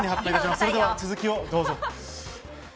それでは続きをどうぞ。